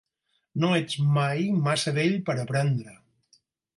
No ets mai massa vell per aprendre.